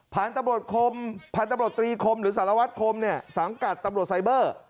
ผ่านตำรวจคมผ่านตำรวจตรีคมหรือสารวัดคมสังกัดตำรวจไซเบอร์